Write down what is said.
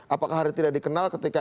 apakah hari ini tidak dikenal ketika